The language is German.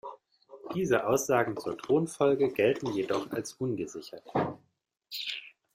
Diese Aussagen zur Thronfolge gelten jedoch als ungesichert.